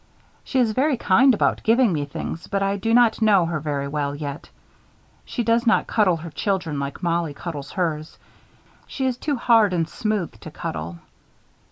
She is very kind about giving me things but I do not know her very well yet. She does not cuddle her children like Mollie cuddles hers. She is too hard and smooth to cuddle.